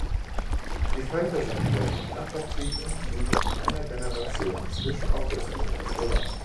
Die Falter sind überwiegend nachtaktiv und fliegen in einer Generation zwischen August und Oktober.